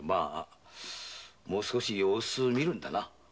もう少し様子を見るんだな。